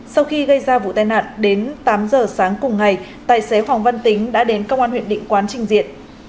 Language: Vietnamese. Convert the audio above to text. sau khi gây ra vụ tai nạn đến tám giờ sáng cùng ngày tài xế hoàng văn tính đã đến công an huyện định quán trình diện